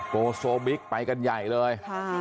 โซบิ๊กไปกันใหญ่เลย